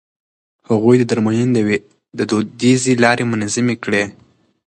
هغه د درملنې دوديزې لارې منظمې کړې.